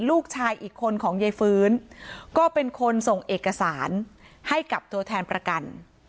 ลูกชายอีกคนของยายฟื้นก็เป็นคนส่งเอกสารให้กับตัวแทนประกัน